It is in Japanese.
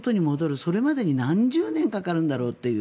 それまでに何十年かかるんだろうという。